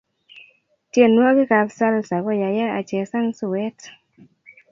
tienwokik ap salsa koyaya achesan suet